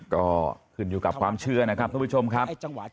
ก็ขึ้นอยู่กับความเชื่อนะครับทุกผู้ชมครับ